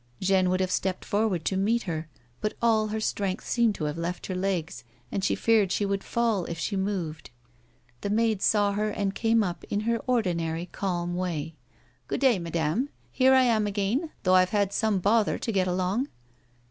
Jeanne would have stepped foward to meet her, but all strength seemed to have left her legs and she feared she would fall if she moved. The maid saw her and came up in her ordinary^ calm way. " Good day, madame ; here I am again, though I've had some bother to get along."